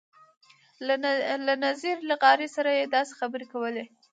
له نذیر لغاري سره یې داسې خبرې کولې.